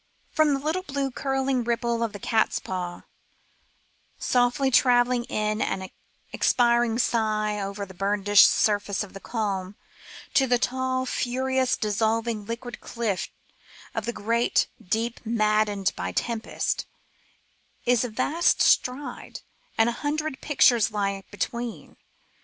From the little blue curliog ripple of the catspaw, softly travelling in an expiring sigh over the burnished surface of the calm, to the tall furious dissolving liquid cliffs of the great deep maddened by tempest, is a vast stride, and a hundred pictures lie between.